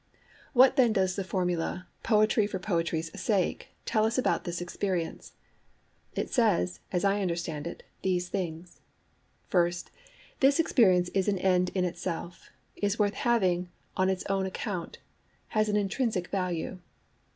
What then does the formula 'Poetry for poetry's sake' tell us about this experience? It says, as I understand it, these things. First, this experience is an end[Pg 8] in itself, is worth having on its own account, has an intrinsic value.